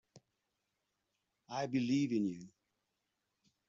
I believe in you.